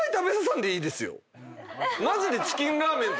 マジで。